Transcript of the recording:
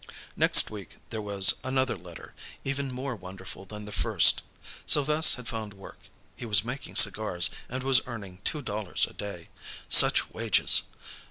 Next week there was another letter, even more wonderful than the first. Sylves' had found work. He was making cigars, and was earning two dollars a day. Such wages!